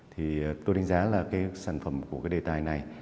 thì tôi đánh giá là cái sản phẩm của cái đề tài này